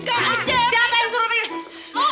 gak usah pegang